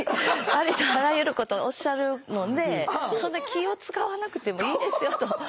ありとあらゆることおっしゃるのでそんな気を使わなくてもいいですよと。